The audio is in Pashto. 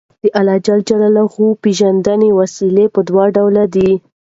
د اللَّهِ ج پيژندنې وسايل په دوه ډوله دي